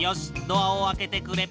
ドアを開けてくれ。